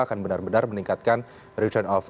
akan benar benar meningkatkan return off